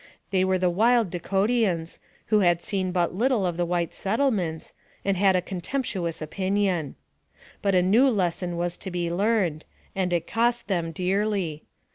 They were the wild Dakotians, who had seen but little of the white settlements, and had a contemptuous opinion. But a new lesson was to be learned, and it cost them dearly.